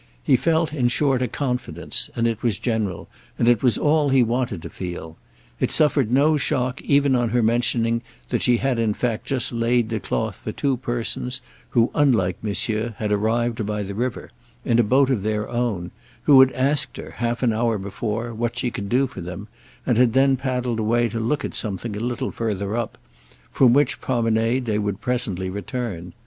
He felt in short a confidence, and it was general, and it was all he wanted to feel. It suffered no shock even on her mentioning that she had in fact just laid the cloth for two persons who, unlike Monsieur, had arrived by the river—in a boat of their own; who had asked her, half an hour before, what she could do for them, and had then paddled away to look at something a little further up—from which promenade they would presently return.